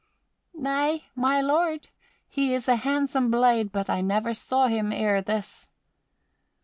"Nay, my lord, he is a handsome blade, but I never saw him ere this."